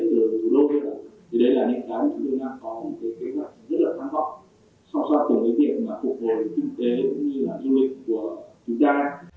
cũng như là du lịch của chúng ta